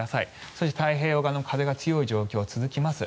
そして太平洋側の風が強い状況が続きます。